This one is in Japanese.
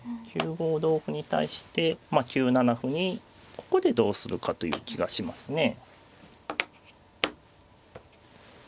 ９五同歩に対して９七歩にここでどうするかという気がしますね。